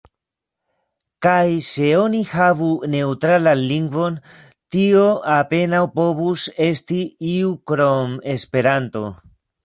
Kaj se oni havu neŭtralan lingvon, tiu apenaŭ povus esti iu krom Esperanto!